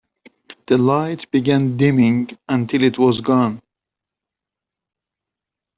The light began dimming until it was gone.